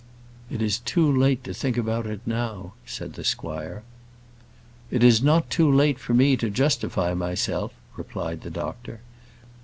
"It is too late to think about it now," said the squire. "It is not too late for me to justify myself," replied the doctor.